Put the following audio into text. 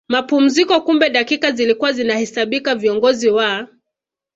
mapumziko Kumbe dakika zilikuwa zinahesabika viongozi wa